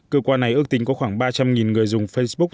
cơ quan này ước tính có khoảng ba trăm linh người dùng facebook